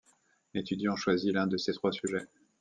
L'étudiant choisit l'un de ces trois sujets.